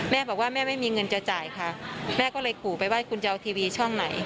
แม่บอกว่าแม่ไม่มีเงินจะจ่ายค่ะแม่ก็เลยขู่ไปว่าคุณจะเอาทีวีช่องไหน